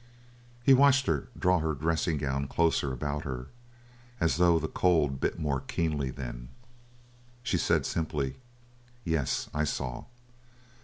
He watched her draw her dressing gown closer about her, as though the cold bit more keenly then. She said simply: "Yes, I saw."